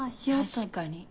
確かに。